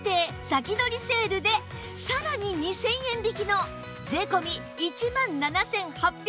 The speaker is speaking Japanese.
先取りセールでさらに２０００円引きの税込１万７８００円です